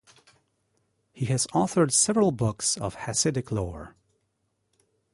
He has authored several books of Hasidic lore.